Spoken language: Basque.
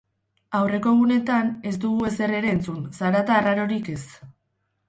Aurreko egunetan ez dugu ezer ere entzun, zarata arrarorik ez.